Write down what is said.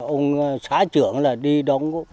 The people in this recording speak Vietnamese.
ông xã trưởng đi đóng